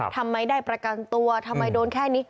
ทำไมได้ประกันตัวทำไมโดนแค่นี้